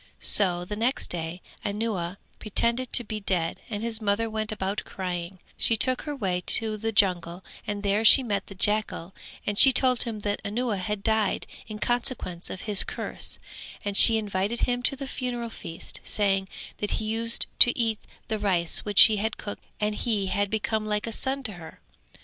So the next day Anuwa pretended to be dead and his mother went about crying; she took her way to the jungle and there she met the jackal and she told him that Anuwa had died in consequence of his curse and she invited him to the funeral feast, saying that he used to eat the rice which she had cooked and he had become like a son to her.